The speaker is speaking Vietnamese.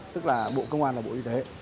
tức là bộ công an và bộ y tế